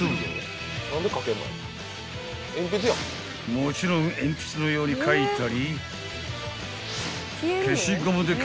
［もちろん鉛筆のように書いたり］